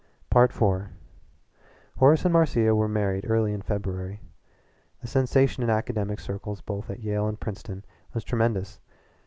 IV Horace and Marcia were married early in February. The sensation in academic circles both at Yale and Princeton was tremendous.